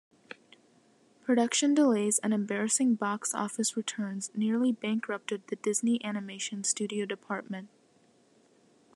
Production delays and embarrassing box-office returns nearly bankrupted the Disney animation studio department.